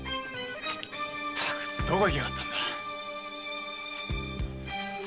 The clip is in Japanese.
まったくどこ行きやがったんだ。